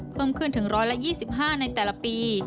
เพิ่มขึ้นถึง๑๒๕ในแต่ละปี